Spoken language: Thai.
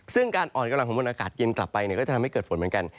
ซึ่งการอ่อนกำลังของมวลอากาศเย็นกลับไปก็จะทำให้เกิดฝนเหมือนกัน